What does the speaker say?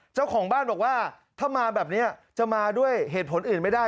เจ้าของบ้านบอกว่าถ้ามาแบบนี้จะมาด้วยเหตุผลอื่นไม่ได้